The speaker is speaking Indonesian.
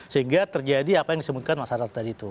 sehingga terjadi apa yang disebutkan masyarakat tadi itu